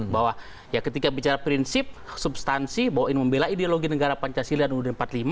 bahwa ketika bicara prinsip substansi membela ideologi negara pancasila dan ud empat puluh lima